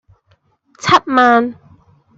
七萬